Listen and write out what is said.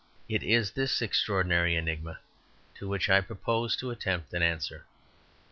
It is this extraordinary enigma to which I propose to attempt an answer.